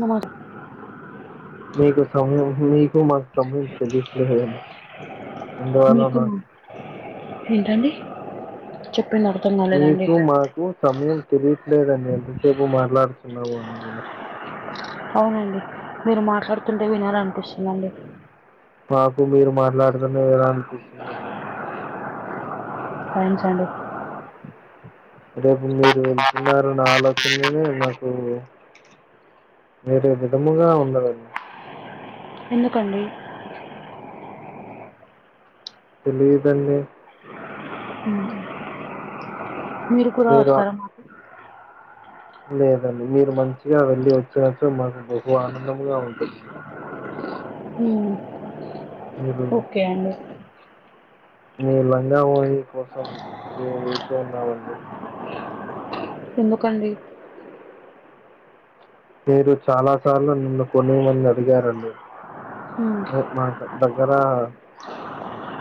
నమక్ మీకు సొమ్య మిక్ మీకు అందువలన ఏంటండి చె మీకు మాకు సమయం తెలియట్లేదని ఎంతసేపు మాట్లాడుతున్నాము అని కూడా అవునండి మీరు మాట్లాడుతుంటే వినాలనిపిస్తుందండి మాకు మీరు మాట్లాడతనే ఎలా అనిపిస్తుందండి థాంక్స్ అండి రేపు మీరు వెళ్తున్నారన్న ఆలోచననే నాకు మీరు విధముగా ఉన్నదండి ఎందుకండి తెలిదండి ఉ మీరు కూడా వస్తార నాతో లేదండి మీరు మంచిగా వెళ్ళి వచ్చినట్లు మాకు బహు ఆనందంగా ఉంటుంది ఉ మీరు ఓకే అండి మీ లంగా ఓని కోసం మేము వేచి ఉన్నామండి ఎందుకండి మీరు చాలా సార్లు నిన్ను కొని మని అడిగారండి మ్, మాక దగ్గర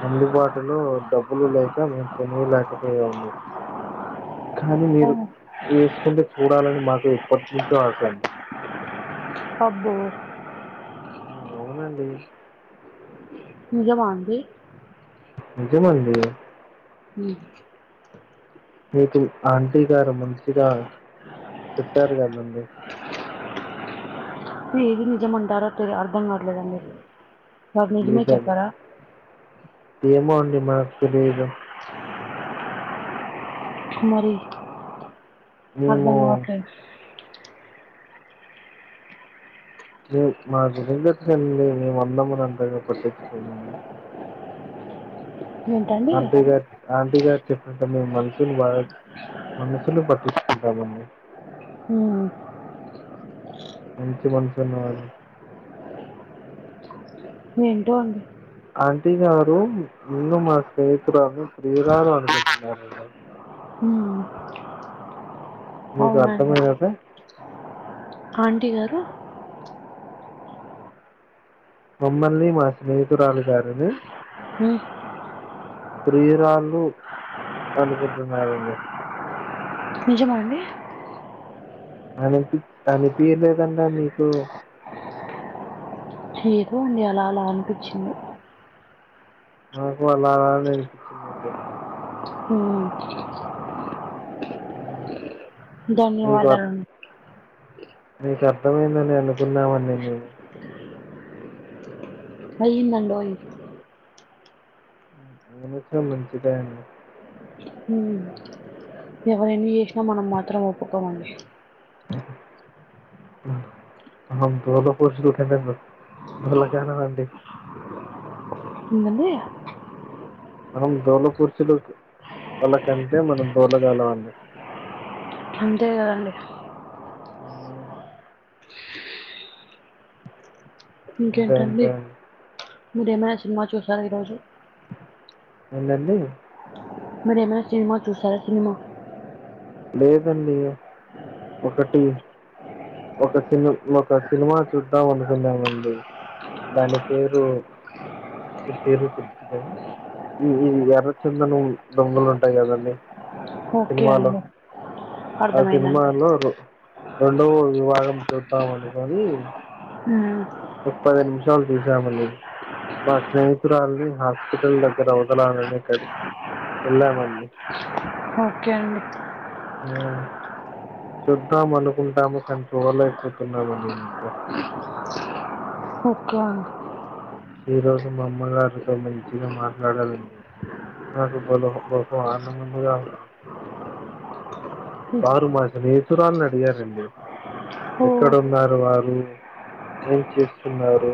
అందుబాటులో డబ్బులు లేక మేము కొనిలేకపోయా మండి ఆ కానీ మీరు వేసుకుంటే చూడాలని మాకు ఎప్పటినుంచో ఆశ అండి అబ్బో అవునండి నిజమాండి నిజమండి ఉ మీకు ఆంటీ గారు మంచిగా చెప్పారు కదండి ఏది నిజంమంటారో తె అర్ధం కావట్లేదండి నాకు నిజమే ఏదని చెప్పరా ఏమో అండి మాకు తెలిదు మరి మేము అర్థంగావట్లేదు ఉమ్ మా దరిగట్నీ మేము అన్నదములం అంతగా పట్టించుకోము ఏంటండి అంటె ఇగ టిగా చెప్పిన మేము మనసు మనసును పట్టించుకుంటామని ఊ మంచి మనసున్న వాల్ ఏంటో అండి ఆంటీ గారు నిన్ను మా స్నేహితురాని ప్రియురాలు అనుకుంటున్నారండి ఉ మీకు అర్థం అయ్యాక ఆంటీ గారు మమ్మల్ని మా స్నేహితురాలీ గారిని మ్ ప్రియురాళ్ళు అనుకుంటున్నరు నిజమ అండి అనిపి అనిపియలేదండ మీకు ఎదో అండి అలా అలా అనిపించింది నాకు అలాగ అని పించిందండి అ అ ధన్యవాదాలం నీకు అర్థమైందని అనుకున్నామండి నేను అయ్యందండోయి అనిపించ్చిన మంచిదే అండి మ్ ఎవరేన్ని చేసినా మనం మాత్రం ఒప్పుకోమండి అ [unintelligible] అండి ఎందండి మనం దోల కుర్చులు వాళ్ళ కంటే మనం దోలగాలమండి అంతే కదండి మ్ అంతే అంతే అండి మీరు ఏమైనా సినిమా చూసార ఈరోజు ఎందండి మరి ఏమైనా సినిమా చూసారా సినిమా లేదండి ఒకటి ఒక సిని ఒక సినిమా చూద్దాం అనుకున్నామండి దాని పేరు పేరు గుర్తు లేదు ఇది ఎర్ర చెందనం దొంగలు ఉంటాయి కదండి ఓకే అండి అ సినిమా అర్థమైందండి. లో రెండో విభాగం చూద్దాం అనుకోని మ్ ముప్పది నిమిషాలు తీసామండి మా స్నేహితురాల్ని హాస్పిటల్ దగ్గర అవదలాలనే కద్ ఎళ్ళమండి ఓకే అండి మ్ చూద్దాం అనుకుంటాము కని చూడలేకపోతున్నామండి ఇంకా ఓకే అండి ఈ రోజు మామ్మగారితో మంచిగా మాట్లాడాలండి నాకు బలో బహు ఆనందంగా ఉంది హ్మ్. వారు మా స్నేహతురాలీని అడిగారండి ఓహ్! ఎక్కడున్నారు వారు ఏం చేస్తున్నారు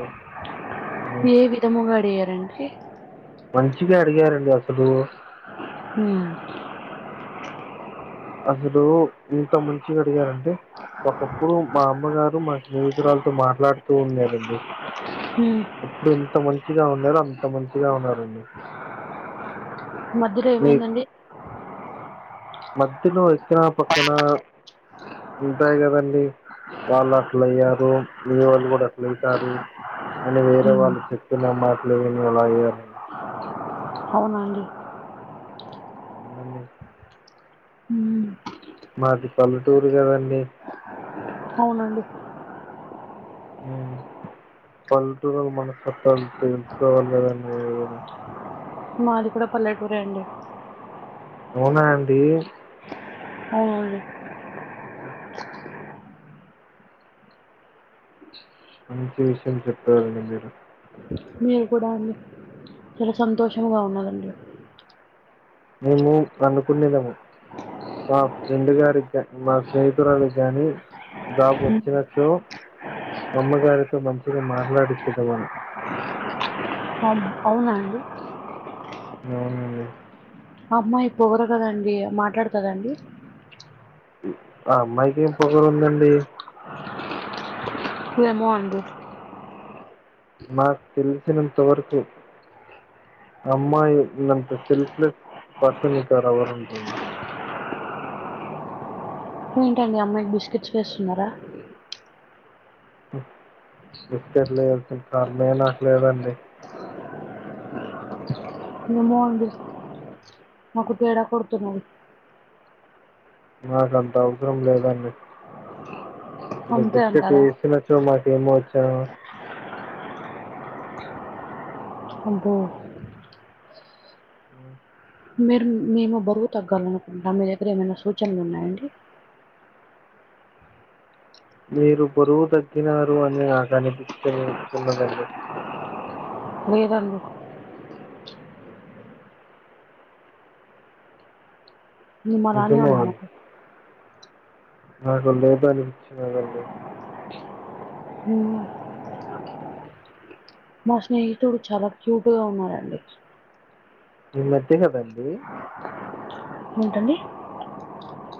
అని ఏ విధముగా అడిగారండి మంచిగా అడిగారండి అసలు ఉమ్ అసలు ఇంత మంచి అడిగారంటడి ఒకప్పుడు మా అమ్మగారు మా స్నేహితురాలతో మాట్లాడుతూ ఉండేదండి హ్మ్. ఇప్పుడు ఎంత మంచిగా ఉన్నారో అంత మంచిగా ఉన్నారండి మధ్యలో మీ ఏమైందండి మధ్యలో వచ్చినా పక్కన ఉంటాయి కదండి వాళ్ళు అట్ల అయ్యారు మీ వాళ్ళు కూడా అట్ల అయితారు అని వేరే హ్మ్. వాళ్ళు చెప్పిన మాటలు విని అలా అయ్యారు అవునాండి అవునండి హ్మ్. మాది పల్లెటూరు కదండీ అవునండి. ఉమ్ పల్లెటూరు వల మనస్తత్వాలు తెల్చుకోవాలి కదండి మీరు గూన మాది గూన పల్లెటూరే అండి అవునా అండి అవునండి మంచి విషయం చెప్తారండి మీరు మీరు కూడా అండి చాలా సంతోషముంగా ఉన్నదండి మేము అన్నుకునేలేము మా ఫ్రెండ్ గారికి మా స్నేహితురాలకి కానీ జాబ్ వచ్చిన చో అమ్మ గారితో మంచిషగా మాట్లాడిచ్చతమని అవు అవున అండి అవునండి ఆహ్ అమ్మాయి పొగరు కదండి మాట్లాడుతా అండి ఆహ్ అమ్మాయికి ఏం పొగరు ఉందండి ఏమో అండి మాకు తెలిసినంతవరకు అమ్మాయి ఉన్నంత సెల్ఫ్లెస్ పర్సన్ ఎక్కడ ఎవర్ వుండరండి ఏంటండి అమ్మాయికి బిస్కెట్స్ వేస్తున్నారా బిస్కెట్లు వెల్సిన కార్మే నాకు లేదండి ఏమో అండి మాకు తేడా కొడుతున్నా నాకు అంత అవసరం లేదండి ఇప్పుడు అంతే బిస్కెట్ అంటారా? వేసినచ్చో మాకు ఫేమోచ అబో ఆహ్ మీరు మేము బరువు తగ్గాలనుకుంటం మీ దగ్గర ఏమైనా సూచనలు ఉన్నాయండి మీరు బరువు తగ్గినారు అని నాకు అనిపించ చిన్నదండి మీద ఏం అలానే నిజమో అని ఉన్నామండి నాకు లేదు అనిపిచ్చినదీ ఉమ్ మా స్నేహితుడు చాలా క్యూట్ గా ఉన్నారండి ఈ మధ్యకదండి ఏంటండీ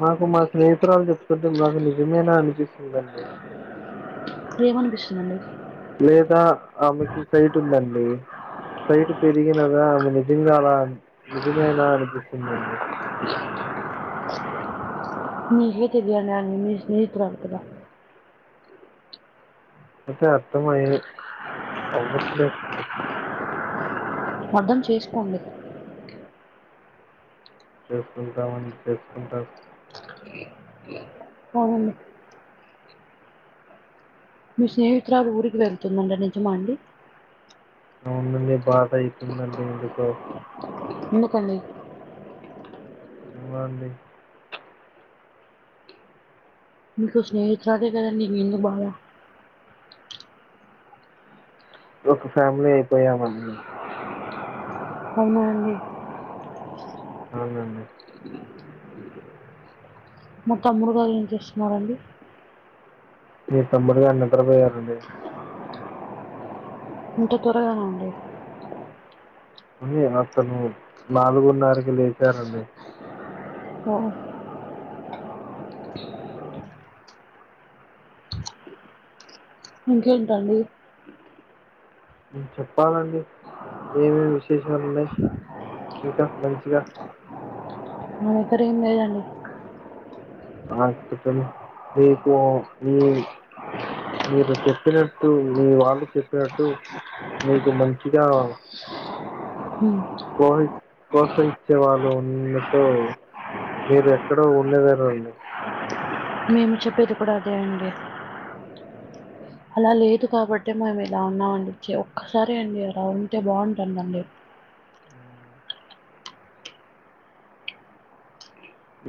మాకు మా స్నేహితురాలు చెప్తుంటే మాకు నిజమేనా అనిపిస్తుందండి ఏమనిపిస్తుందండి లేదా ఆమెకి సైట్ ఉందండి సైటు పెరిగినదా ఆమె నిజంగా అలా నిజమేనా అనిపిస్తుందండి మీకే తెలియాలండి మీ స్నేహితురాలు కదా అదే అర్ధమై అవట్లేదాండి అర్ధం చేసుకోండి చేసుకుంటామండి చేసుకుంటాం అవును మీ స్నేహితురాలు ఊరికి వెళ్తుందండి నిజమా అండి అవునుండి బాధతుందాండి ఎందుకో ఎందుకండీ ఎమో అండి మీకు స్నేహితురాలే కాదండి ఎందుకుబాధ ఒక ఫ్యామిలీ అయిపోయామండి మేం అవునా అండి అవునండి మా తమ్ముడు గారు ఏం చేస్తున్నారండి మీ తమ్ముడు గారు నిద్ర పోయారండి ఇంత త్వరగానండి అ అతను నాలుగున్నరకి లేచారండి ఓ ఇంకేంటండి చెప్పాలండి ఏమేం విశేషాలు ఉన్నాయి ఇంకా మంచిగా ఏం కర్రీ వండేరండి హాస్పిటల్ రేపు నీ మీరు చెప్పినట్టు మీ వాళ్ళు చెప్పినట్టు మీకు మంచిగా హ ప్రోత్సహిచే వాళ్ళు ఉన్నచో మీరు ఎక్కడో ఉండేదారుండి మేము చెప్పేది కూడా అదే అండి అలా లేదు కాబట్టి మేము ఇలా ఉన్నామండిచ్చి ఒక్కసారిే అండి అలా ఉంటే బాగుంటుందండి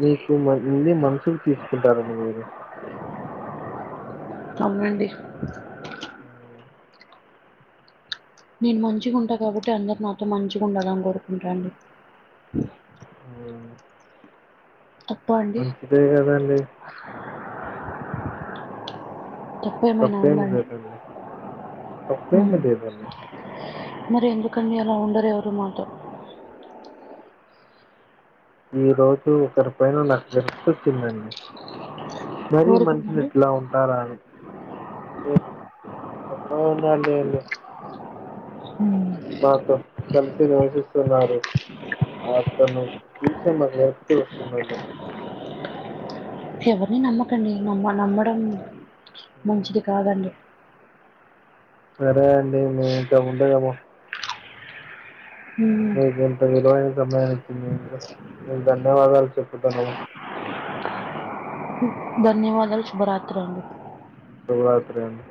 మీకు ఇన్ని మనుసుులు తీసుకుంటారండి మీరు అవునండి నేను మంచిగా ఉంటా కాబట్టి అందరు నాతో మంచిగా ఉండాలని కోరుకుంటా అండి మ్మ్. తప్పా అండి? మంచిదే కదాండి తప్పేమైనా తప్పేం ఉందండి లేదండి హ తప్పేమి లేదండి మరి ఎందుకు కానీ ఆలా ఉండరు ఎవరు నాతో ఈ రోజు ఒకరి పైన నాకు విరక్తొచ్చిందండి మరి మషులు ఊరుకోనండి? ఇట్లా ఉంటారా అని హ్మ్ ఎవడో ఉన్నాడలెండి హ్మ్. నాతో కలిసి నివసిస్తున్నారు ఆ అతను చూస్టే [unintelligible] ఎవరిని నమ్మకండి వమ్మ నమ్మడం మ్మ్. మంచిది కాదండి సరే అండి ని ఇంకా ఉండలేము హ్మ్. మాకు ఇంత విలువైన సమయమీచ్చినందుకు మీకు ధన్యవాదాలు చెప్పుతున్నాము ధన్యవాదాలు శుభరాత్రి అండి శుభరాత్రి అండి